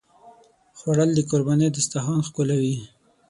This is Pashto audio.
خوړل د قربانۍ دسترخوان ښکلوي